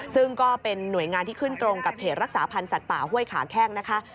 ซึ่งก็เป็นหน่วยงานที่ขึ้นตรงกับเขตรักษาพันธ์สัตว์ป่าห้วยขาแข้งนะคะ